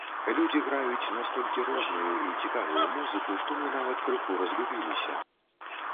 Людзі граюць настолькі розную і цікавую музыку, што мы нават крыху разгубіліся.